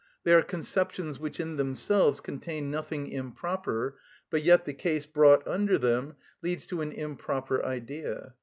They are conceptions which in themselves contain nothing improper, but yet the case brought under them leads to an improper idea.